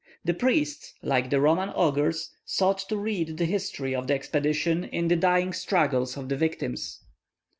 The priests, like the Roman augurs, sought to read the history of the expedition in the dying struggles of the victims.